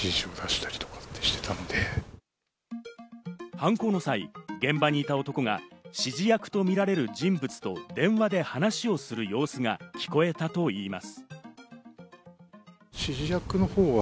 犯行の際、現場にいた男が指示役とみられる人物と電話で話をする様子が聞こえたといいます。